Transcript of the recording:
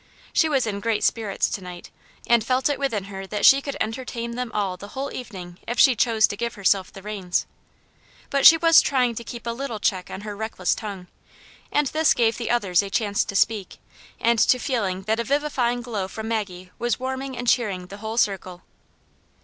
She was in great spirits to night, and felt it within her that she could entertain them all the whole evening if she chose to give herself the reins. But she was trying to keep a little check on her reckless tongue, and this gave the others a chance to speak, and to feel that a vivifying glow from Maggie was warming and cheering the whole circle.